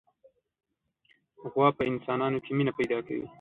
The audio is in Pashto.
غوا په انسانانو کې مینه پیدا کوي.